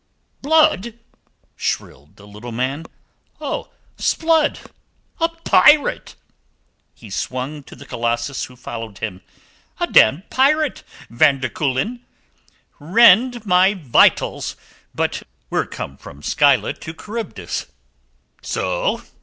"Blood!" shrilled the little man. "O 'Sblood! A pirate!" He swung to the Colossus who followed him "A damned pirate, van der Kuylen. Rend my vitals, but we're come from Scylla to Charybdis." "So?"